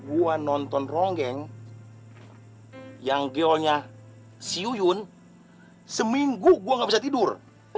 gua nonton ronggeng yang geolnya si uyun seminggu gua ga bisa tidur